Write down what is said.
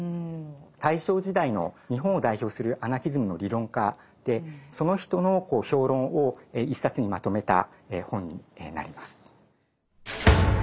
大正時代の日本を代表するアナキズムの理論家でその人の評論を一冊にまとめた本になります。